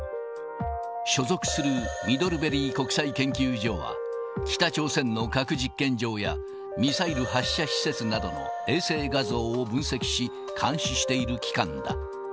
所属するミドルベリー国際研究所は、北朝鮮の核実験場やミサイル発射施設などの衛星画像を分析し、監視している機関だ。